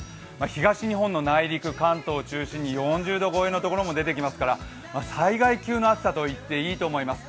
東日本の内陸、関東を中心に４０度越えのところも出てきますから災害級の暑さと言ってもいいと思います。